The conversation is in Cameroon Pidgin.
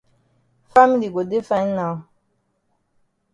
Family go dey fine now.